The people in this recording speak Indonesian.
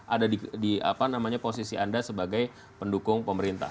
ada di posisi anda sebagai pendukung pemerintah